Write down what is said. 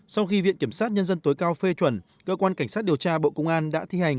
sau khi viện kiểm sát nhân dân tối cao phê chuẩn cơ quan cảnh sát điều tra bộ công an đã thi hành